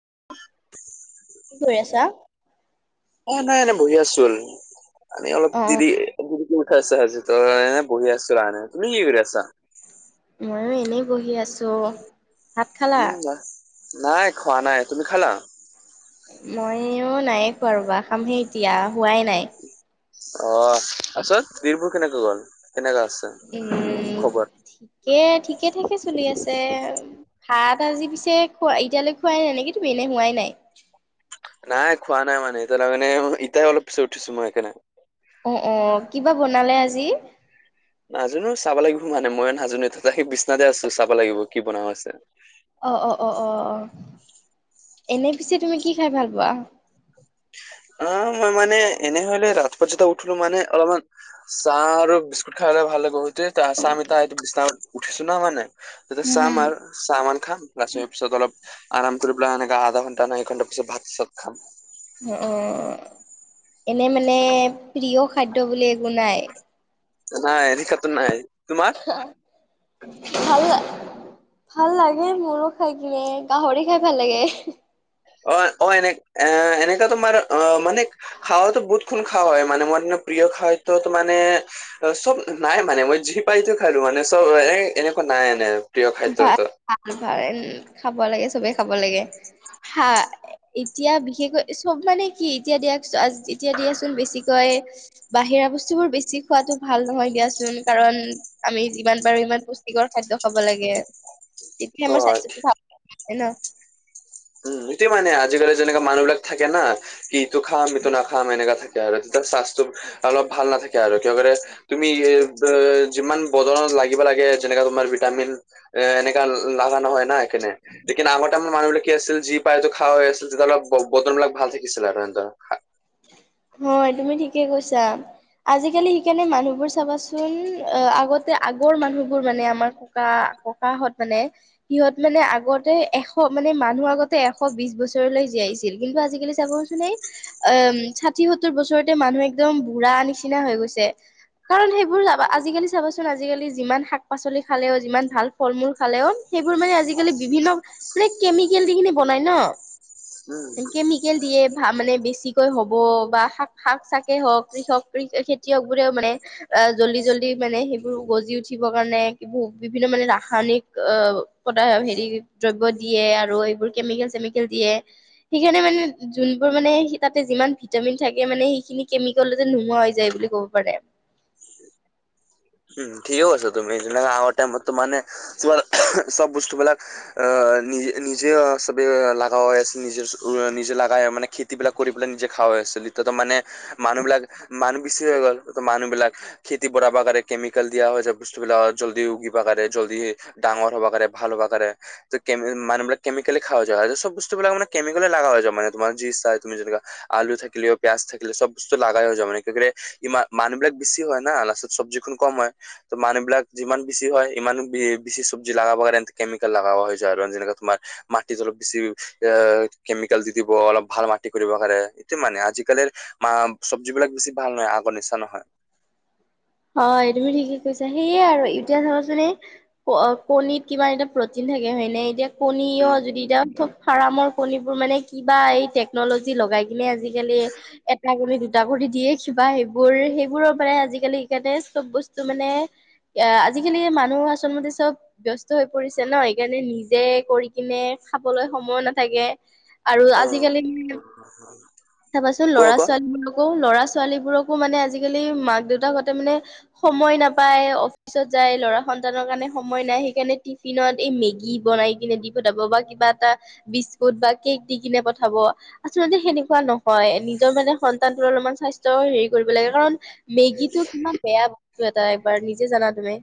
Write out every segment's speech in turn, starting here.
[unintelligible] কি কৰি আছা? [unintelligible] খাইছো অ', খাইছো ত তই এনে বহি আছো, তুমি কি কৰি আছা? ময়ো এনেই বহি আছো। ভাত খালা? উম নাই খোৱা নাই, তুমি খালা? মইও নাই খোৱা ৰবা খামহে এতিয়া হোৱাই নাই। অ' [unintelligible] কেনেকৈ গ'ল? কেনেকা আছে উম খবৰ ঠিকে থঠাকে চলি আছে, ভাত জি পিছে খোৱা এতিয়ালৈ খোৱাই নাই, নেকি তুমি এনে হোৱাই নাই। নাই খোৱা নাই মানে তাৰণে ইতাই অলপ পিছে উঠিছো মই সেইকাৰনে। অ', অ' কি বা বনালে আজি। নাজানোঁ। চাব লাগিব মানে মই নাজানোঁ। হেই তাতে মই বিচনাতে আছোঁ, চাব লাগিব কি বনোৱা আছে। অ', অ', অ', অ', অ এনে পিছে তুমি কি খাই ভাল পোৱা? আ, মই মানে এনে হ'লে ৰাত পথতে উঠলো মানে অলপমান চাহ আৰু বিস্কুট খাই ললে ভাল হ'ব, এইটোৱে তেই আছ আমি ত' বিনাতে উঠিছো না মানে। তেতিয়া হুম, চাহ হুম। আমাৰ চাহমান খাম। লাষ্টত পিছত অলপ আৰাম কৰি পেলাই এনেকা আধা ঘণ্টা ন' এক ঘণ্টা পিছত ভাত চাত খাম। অ', অ'। এনে মানে প্ৰিয় খাদ্য বুলি একো নাই? নাই এনেকাতো নাই। তোমাৰ ভাল। ভাল লাগে মোৰো খাই কিনে, গাহৰি খাই ভাল লাগে। অ', অ' এনে-এনেকা তোমাৰ অ' মানে খাৱটো বহুতখন খাৱে মানে মই প্ৰিয় খাদ্যত মানে চব, নাই মানে মই যি পাইতো খালোঁ মানে চব এ, এনে নাই নাই। ভাল-ভাল ভাল খাব লাগে, চবে খাব লাগে। হা, এতিয়া বিশেষকৈ চব মানে কি এতিয়া দিয়াক-দিয়াচোন এতিয়া দিয়াচোন বেছিকৈ বাহিৰা বস্তুবোৰ বেছি খোৱাটো ভাল নহয় দিয়াচোন, কাৰণ আমি যিমান পাৰো ইমান পুষ্টিকৰ খাদ্য খাব লাগে, তেতিয়াহে আমাৰ অ স্বাস্থ্যটো ভাল হ'ব ন'? উম, এতিয়া মানে আজিকালি যেনেকা মানুহবিলাক থাকে না কি এইটো খাম, ইটো নাখাম এনেকা থাকে আৰু তেতিয়া স্বাস্থ্যটো অলপ ভাল নাথাকে আৰু কিয় কৰে তুমি যিমান বদলত লাগিব লাগে, যেনেকা তোমাৰ তামিল এ, এনেকা লাভা নহয় ন' এখনে, লেকিন আমাৰ তাতে মানুহবিলাক কি আছিল, যি পায় তো খায়ে আছিল, তেতিয়াহ'লে বক-বটনবিলাক ভাল থাকিছিলে আৰু সিহঁতৰ। হয়, তুমি ঠিকে কৈছা। আজিকালি সেইকাৰণে মানুহবোৰ চাবাচোন, আগতে আগৰ মানুহবোৰ, মানে আমাৰ ককা ককাহঁত মানে, সিহঁত মানে আগতে এশ মানে, মানুহ আগতে এশ বিশ বছৰলৈ জিয়াইছিল। কিন্তু আজিকালি চাবচোন, এ এ, ষাঠি, সত্তৰ বছৰতে মানুহ একদম বুঢ়া নিচিনা হৈ গৈছে। কাৰণ সেইবোৰ যাবা আজিকালি চাবাচোন, আজিকালি যিমান শাক পাচলি খালেও যিমান ভাল ফল মূল খালেও, সেইবোৰ মানে আজিকালি বিভিন্ন, মানে কেমিকেল দি কেনি বনাই উম ন', কেমিকেল দিয়ে মানে বেছি। কে হ'ব, বা শা-শাক চাকেই হওক, কৃষক, খেতিয়ক বোৰেও মানে জল্দি জল্দি মানে সেইবোৰ গজি উঠিবৰ কাৰণে, কিবো বিভিন্ন মানে ৰাসায়নিক অ' পদায় হেৰি দ্ৰব্য দিয়ে আৰু এইবোৰ কেমিকেল চেমিকেল দিয়ে। সেইকাৰণে মানে যোনবোৰ মানে তাতে যিমান ভিটামিন থাকে মানে সেইখিনি কেমিকেল'তে নোহোৱা হৈ যায় বুলি ক'ব পাৰে। [inaudible] উম, ঠিকেই কৈছা তুমি। যেনেকে আগৰ টাইমতো মানে চ-চব বস্তুবিলাক অ' নি নি-নিজে চবে লাগা হৈ আছে, নিজে-নিজে লগায়া মানে খেতিবিলাক কৰি পেলাই, নিজে খাৱৈ আছে। দলিততে মানে মানুহবিলাক মানুহ বেচি হৈ গ'ল, ত' মানুহবিলাক খেতি বঢ়াব কাৰে কেমিকেল দিয়া হৈছে বস্তুবিলাকত। জল্দি উগিবা কাৰে, জল্দি ডাঙৰ হ'ব কাৰে, ভাল হ'ব কাৰে। কেম-মানুবিলাক কেমিকেলে খাৱা যায়। আৰু চব বস্তুবিলাক মানে কেমিকালে লাগা হৈ যায় মানে তোমাৰ যি ইচ্ছা, তুমি জেনেকা আল লু থাকিলে, পিয়য়াজ থাকিলে, চব বস্তু লাগাই হৈ যায় মানে, ইমান মানুবিলাক বেছি হয় না, লাষ্টত চব্জিখন কম হয়। ত' মানুহবিলাক যিমান বেছি হয়, ইমান বেছি চব্জি লগাব কাৰণে এ, কেমিকেল লগাব হৈ যায় আৰু। যেনেকে তোমাৰ মাটিত অলপ বেছি এ, কেমিকেল দি দিব, অলপ ভাল মাটি কৰিব কাৰনে। এটো মানে আজিকালি হেই মা চবজিবিলাক বেছি ভাল নহয়, আগৰ নিচিনা নহয়। হয়, তুমি ঠিকে কৈছা। সেয়ে আৰু, এতিয়া চাবচোন এই, কণীত কিবা এটা প্ৰটিন থাকে। হয়নে, এতিয়া কণী উম অ' যদি এতিয়া ফাৰামৰ কণীবোৰ মানে কিবা এই টেকন'লজি লগাই কিনে আজিকালি এটা কৰি দুটা কৰি দিয়ে। কিবা সেইবোৰ সেইবোৰৰ পৰাই আজিকালি ইয়াতে চব বস্তু মানে, এয়া আজিকালি মানুহ আচলমতে চব ব্যস্ত হৈ পৰিছে ন। সেকাণে নিজে কৰি কিনে খাবলৈ সময় নাথাকে। আৰু অ আজিকালি, চাবাচোন কোৱা ল'ৰা ছোৱালীবোৰকো ল'ৰা ছোৱালীবোৰকো মানে আজিকালি মাক দেউতাকহঁত তামানে সময় নাপায়, অফিচত যায়, ল'ৰা সন্তানৰ কাণে সময় নাই। হেইকাৰণে টিফিনত এ মেগী বনাই কিনে দি পঠাব বা কিবা এটা বিস্কুট বা কেক দি কিনে পঠাব। আচ মানে সেনেকুৱা নহয়, নিজৰ মানে সন্তানটোৰ অলপমান স্বাস্থ্যৰ হেৰি কৰিব লাগে। কাৰণ, মেগীটোক কোৱা বেয়া বস্তু এটা, একবাৰ নিজে জানা তুমি।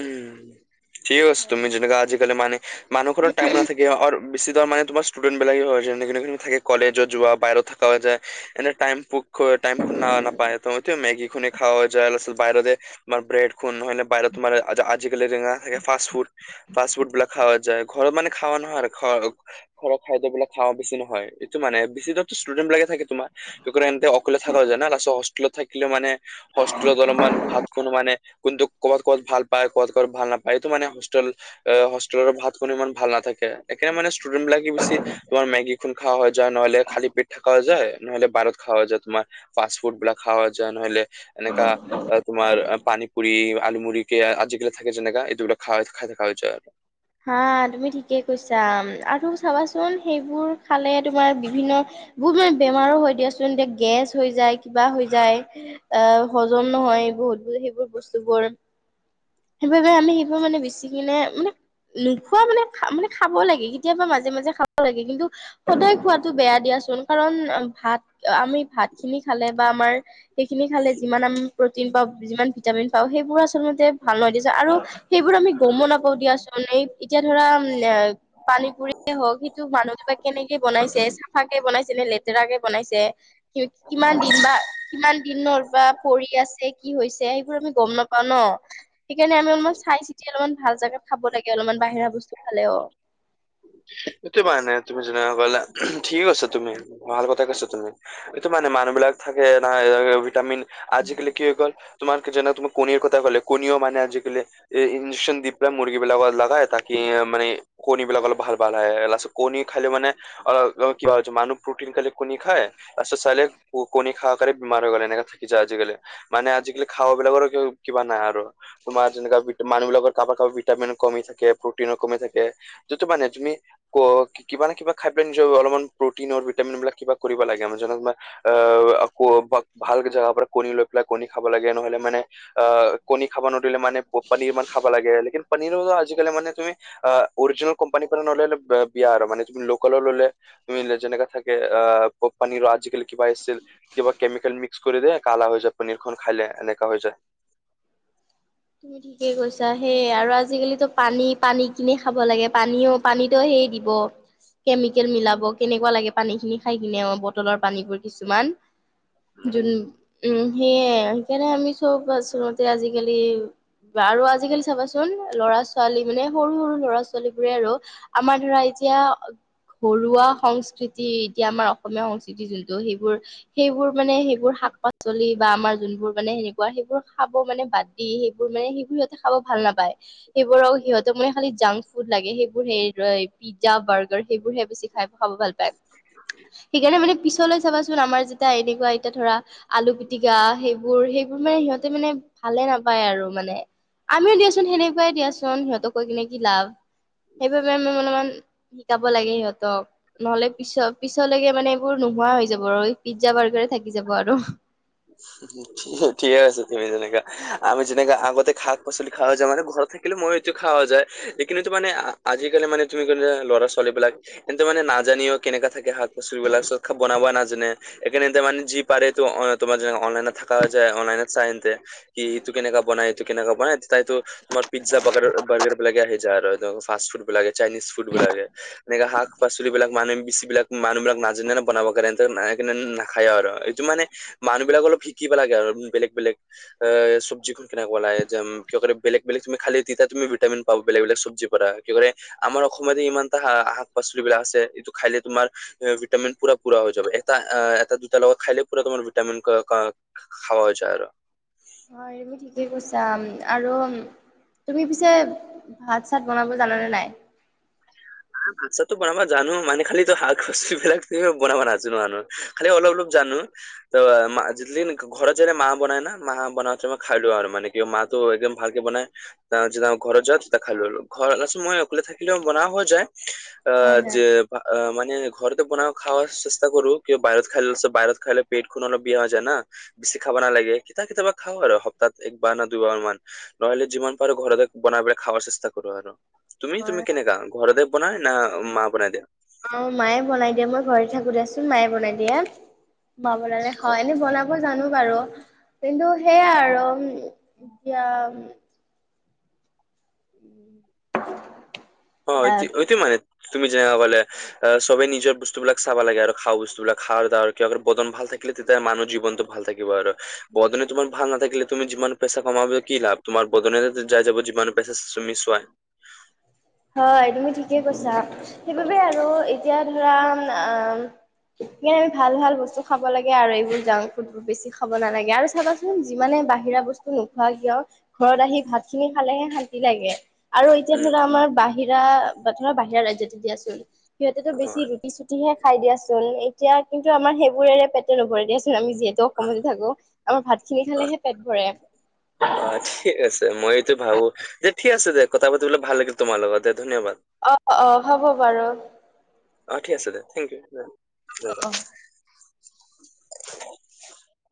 উ, ঠিক আছ তুমি যেনেকা আজি কালি মানে মানুহখনৰ টাইম নাথাকে অৰ বেচিদৰ মানে তোমাৰ ষ্টুডেণ্ট বিলাক হয় যেন নেকে নেকে থাকে। কলেজত যোৱা বাহিৰত ৰত থাকা হৈ যায়, এনে টাইম পো খোৱা, টাইম শুনা নাপায়, এটো এতিয়া মেগি খোনে খাৱা যায় ল ছাল বাহিৰতে মাৰ ব্ৰেড খুন নহয় নে, বাহিৰত তোমাৰে আজি-আজিকালি দিনা হেয়া ফাষ্ট ফুড, ফাষ্ট ফুড বিলাক খাৱা যায়, ঘৰত মানে খাৱা নহয় আৰু ঘৰ ঘৰত খাদ্যবিলাক খাৱা বেছি নহয়। এইটো মানে, বেছিদত ষ্টুডেন্ট বিলাকে চাগে তোমাৰ। [unintelligible] অকলে থকা হৈ যায় না লাষ্টত হষ্টেলত থাক হিলো মানে, হষ্টোৰক অলমান ভাত খোনো মানে, কোনটো ক'বাত ক'ত ভাল পায়, ক'ত ক'ত ভাল নাপায়। এইটো মানে হোষ্টেল, এ হোষ্টেলত ভাত কোনো ইমান ভাল নাথাক কে। একে মানে ষ্টুডেন্ট বিলাকে বেছি, তোমাৰ মেগী খুন খাৱা হয়। যায় নহ'লে খালি পেট থকা যায়, নহ'লে বাৰত খাৱা যায় তোমাৰ, ফাষ্ট ফুড বিলাক খাৱা যায়, নহ'লে এনেকা আ তোমাৰ পানী পুৰি, আলু মুড়ি। কে, আজিকা থাকে যেনেকা, এই টো [unintelligible] খাই, খাই থকা যায় আৰু। হা তুমি ঠিকেই কৈছা। আৰু চাবাচোন সেইবোৰ খালে তোমাৰ বিভিন্ন বহুত মানে বেমাৰো হয় দিয়াচোন এতিয়া গেছ হৈ যায়, কিবা হৈ যায়, আ হজম নহয়। বহুত বহু হেবোৰ বস্তুবোৰ, হেবাবে আমি হেবোৰ মানে বেচি কিনে মানে নোখোৱা মানে খা, মানে খাব লাগে, কেতিয়াবা মাজে মাজে খাব লাগে কিন্তু সদায় খোৱাটো বেয়া দিয়া চোন কাৰণ ভাত, আমি ভাত খিনি খালে বা আমাৰ সেইখিনি খালে যিমান আমি প্ৰটিন পাওঁ, যিমান ভিটামিন পাওঁ সেইবোৰ আচলতে ভাল নহয় দিয়াচো আৰু সেইবোৰ আমি গমো নাপাওঁ দিয়াচোন। এই এতিয়া ধৰা উম এ পানীপুৰি হওঁক সিটো মানুহটোৱে কেনেকে বনাইছে, চাফা কে বনাইছে নে লেতেৰাকে বনাইছে। কি-কি কিমান দিন বা, কিমান দিনৰ পা পৰি আছে, কি হৈছে হেইবোৰ আমি গম নাপাওঁ ন। সেকাৰণে আমি অলমান চাই চিতি অলমান ভাল জাগাত খাব লাগে অলমান বাহিৰা বস্তু খালেও। [inaudible] এটো মানে তুমি যেনেকে কলা ঠিকে কৈছা তুমি, ভাল কথা কৈছা তুমি, এটো মানে মানুহ বিলাক থাকে না ভিটামিন আজিকালি কি হৈ গ'ল তোমাৰ কি জানা? তুমি কণীৰ কথা ক'লে কণীও মানে আজিকালি এই ইঞ্জেচন দি পেলাই মুৰ্গী বিলাকত লা হয় তাকে মানে কণী বিলাক অলপ ভাল ভাল। এ লাছত কণী খালে মানে অল কিবা হয়, মানুহ প্ৰটিন খালে কণী খায়। তাছত চালে উ কনী খাৱা কাণে বেমাৰ হৈ গ'ল এনেকে। থাকি যাই আজিকালি। মানে আজিকালি খাৱাবিলাকৰো কি, কিবা নাই আৰু তোমাৰ যেনেকুৱা মানুহ বিলাকৰ কাম গৰ কাৰো ভিটামিন কমি থাকে, প্ৰটিনো কমি থাকে, যিটো মানে তুমি ক কি-কিবা নহয় কিবা খাই পেন নিজৰ অলমান প্ৰটিন অৰ ভিটামিন বিলাক কিবা কৰিব লাগে। যেনে তোমাৰ আ [unintelligible] ভাল জেগাৰ পৰা কণী লৈ পেলাই কণী খাব লাগে নহ'লে মানে আ কণী খাব ন মানে প-পানীৰ মান খাব লাগে। লেকিন পানীৰোৰো আজিকালি মানে তুমি আ অৰিজিনেল কম্পানী পৰা ন'ললে বা বিয়াৰ মানে তুমি লোকেলো ল'লে তুমি যেনেকুৱা থাকে আহ প-পনীৰো আ আজিকালি কিবা এছিল কিবা কেমিকেল মিক্স কৰি দিয়ে, কালাৰ হৈ যায় পনীৰখন খালে এনেকুৱা হৈ যায়। তুমি ঠিকে কৈছা। হেই আৰু আজিকালিতো পানী, পানী কিনি খাব লাগে। পানীও, পানীতো হে এই দিব। কেমিকেল মিলাব কেনেকুৱা লাগে পানী খিনি খাই কিনে অ' বটলৰ পানীবোৰ কিছুমান। জোন, উ হেইয়াই হেকাণে আমি চব আচলমতে আজিকালি আৰু আজিকালি চাবাচোন। ল'ৰা ছোৱালী মানে সৰু সৰু লৰা- ছোৱালী বোৰে আৰু আমাৰ ধৰা এতিয়া ঘৰুৱা সংস্কৃতি এতিয়া আমাৰ অসমীয়া সংস্কৃতি যোনটো সেইবোৰ সেইবোৰ মানে সেইবোৰ শাক-পাচলি বা আমাৰ যোন বোৰ মানে সেনেকুৱা সেইবোৰ খাব মানে বাদ দি সেইবোৰ মানে সেইবোৰ শিশুহতে খাব ভাল নাপায়। সেইবোৰক সিহঁতক মানে খালি জাংক ফুড লাগে সেইবোৰ সেই পিজ্জা বাৰ্গাৰ সেইবোৰ হে বেছি খাব ভাল পায়। সেইকাৰণে মানে পিছলৈ চাবাচোন, আমাৰ যেতিয়া এনেকুৱা এতিয়া ধৰা আলু পিতিকা সেইবোৰ সেই মানে সিহঁতে মানে ভালে নাপায় আৰু। মানে আমিও দিয়াচোন সেনেকুৱাই দিয়াচোন সিহঁতক কৈ কিনে কি লাভ। সেইবাবে আমি অলপমান শিকাব লাগে সিহঁতক, নহলে পিছ পিছলৈকে মানে এইবোৰ নোহোৱা হৈ যাব আৰু পিজ্জা বাৰ্গাৰ এ থাকি যাব আৰু। ঠিকে আছে তুমি যেনেকে আমি যেনেকুৱা আগতে শাক-পাচলি খোৱা হৈছো মানে ঘৰত থাকিলে মই সেইটো খাৱা যায় কিন্তু মানে আজিকালি মানে তুমি ক'লে ল'ৰা- ছোৱালী বিলাক এনধে মানে নাজানেও কেনেকুৱা থাকে শাক-পাচলিবলাক চ বনাবা নাজানে এইকাৰনে ত মানে যি পাৰে তো তোমাৰ যেনে অনলাইনত থাকা হৈ যে অনলাইনত চাই এন্তে কি ইটো কেনেকুৱা বনাই ইটো কেনেকা বনাই তাই তো তোমাৰ পিজ্জা বৰ্গাৰ বাৰ্গাৰবিলাকে আহে। ফাষ্ট ফুড বিলাকে চাইনিজ ফুড বিলাকে এনেকে শাক-পাচলি বিলাক মানুহে বিলাক মানুহ বিলাক নাজানে না বনাব কাৰনে এনধে নাখায়ও আৰু এইটো মানে মানুহ বিলাক অলপ শিকিবা লাগে আৰু বেলেগ বেলেগ এ চব্জি খন কেনেকুৱা লাগে যে কিহৰ কাৰনে বেলেগ বেলেগ তুমি খালি তেতিয়া তুমি ভিটামিন পাব বেলেগ বেলেগ চব্জিৰ পৰা কি কৰে আমাৰ অসমতে ইমানটা শাক- পাচলি বিলাক আছে এইটো খাইলে তোমাৰ ভিটামিন পুৰা পুৰা হৈ যাব এটা এটা দুটাৰ লগত খাইলে পুৰা তোমাৰ তামে ক ক খাৱ যায় আৰু। হয়, এইবোৰ ঠিকেই কৈছা আৰু তুমি পিছে ভাত চাত বনাব জানানে নাই? ভাত্ছাতটো বনাবা জানো মানে খালি শাক পাচ বিলাক বনা নাজানো আাননো খালি অলপ অলপ জানো। ত ঘৰত যেনে ম বনাই ন ম বনতে মই খাইলো আৰু মানে কি ম তো একদম ভালকে বনাই ত যেতিয়া ঘৰত যা তেতিয়া খাই ললো ঘৰল মই অকলে থাকিলেও বনাও হয় হয় হয় মানে ঘৰতে বনোৱা খাব চেষ্টা কৰো কিয় বাহিৰত খাই বাহত খাইলে পেট খু অলপ বিয়া হৈ যায় না বেছি খাব লাগে কে কেতিয়াবা খাওঁ আৰু সপ্তাহত একবাৰ ন দুইবাৰ মান নহলে যিমান পাৰো ঘৰতে বনাব পেল খ চেষ্টা কৰো আৰু, তুমি হয় তুমি কেনেকাা ঘৰতে বনাই না মা বনাই দিয়া? অ, ' মায়ে বনাই দিয়া মই ঘৰ থাকো দিয়াচোন মায়ে বনাই দিয়া মা বনালে অ হয়, এনেই বনাব জানো। বাৰু কিন্তু, সেইয়াই আৰু এতিয়া [unintelligible] অতি অতি মানে। তুমি যেনেকুৱা ক'লে সবেই নিজৰ বস্তুবিলাক চাব লাগে আৰু খোৱা বস্তুবিলাক খাৱ দাৱ কিবা বদন ভাল থাকে। তেতিয়া মানুৱ জীৱনতো ভাল থাকিব আৰু বদনে তোমাৰ ভাল নথাকিলে তুমি যিমান পেচা কমাব কি লাভ তোমাৰ? বদন যাই যাব যিমান পাইছে মিছুৱাই [inaudible] হয় তুমি ঠিকেই কৈছা সেইবাবে আৰু এতিয়া ধৰা আ সে আমি ভাল ভাল বস্তু খাব লাগে, আৰু এইবোৰ জাংক ফুড বোৰ বেছি খাব নালাগে, আৰু চাবাচোন যিমানে বাহিৰা বস্তু নোখোৱা কিয় ঘৰত আহি ভাত খিনি খালেহে শান্তি লাগে। আৰু এতিয়া উম, ধৰা আমাৰ বাহিৰা বা ধৰা বাহিৰা ৰাজ্যতে এতিয়া আ চল সিহঁতেতো বেছি হয়। টি চুটি হে খাই দিয়াচোন এতিয়া কিন্তু আমাৰ সেইবোৰে পেটে নভৰে দিয়াচোন। োন আমি যিহেতু অ', অসমতে থাকো, আমাৰ ভাত খিনি অ', খালেহে পেট ভৰে। অ, ' ঠিক আছে মইতো ভাবো যে ঠিক আছে দে কথা পাতিবলে ভাল লাগিল তোমাৰ লগত দে ধন্যবাদ। অ' অ' হ'ব বাৰু। অ' ঠিক আছে দে থেংক অ ইউ্যবাদ। অ [inaudible]